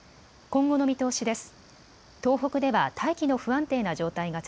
今後の見通しです。